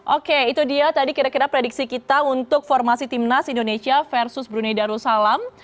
oke itu dia tadi kira kira prediksi kita untuk formasi timnas indonesia versus brunei darussalam